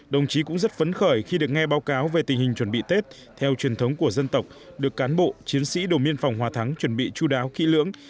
đồng chí cũng rất phấn khởi khi được nghe báo cáo về tình hình chuẩn bị tết theo truyền thống của dân tộc được cán bộ chiến sĩ đồn biên phòng hòa thắng chuẩn bị chú đáo kỹ lưỡng